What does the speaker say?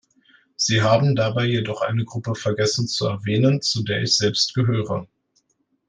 Sie haben dabei jedoch eine Gruppe vergessen zu erwähnen, zu der ich selbst gehöre.